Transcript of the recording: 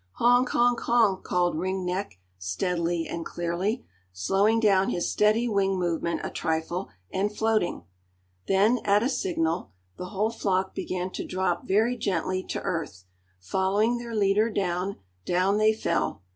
"Honk, honk, honk," called Ring Neck steadily and clearly, slowing down his steady wing movement a trifle and floating. Then, at a signal, the whole flock began to drop very gently to earth, following their leader; down, down they fell.